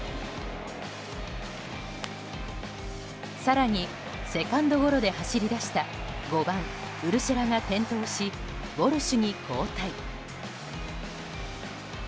更に、セカンドゴロで走り出した５番、ウルシェラが転倒しウォルシュに交代。